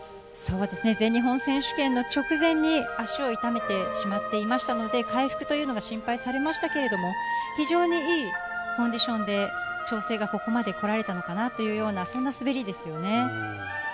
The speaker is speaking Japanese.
全日本選手権直前に足を痛めてしまっていましたので、回復が心配されましたが、非常にいいコンディションで、調整がここまでこられたのかなというような滑りですよね。